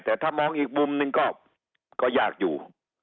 แต่ถ้ามองอีกมุมนึงก็ยากอยู่